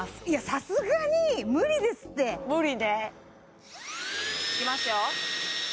さすがに無理ですって無理ねいきますよ